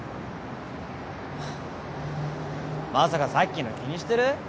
まさかさっきの気にしてる？